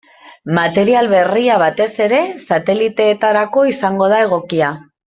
Material berria batez ere sateliteetarako izango da egokia.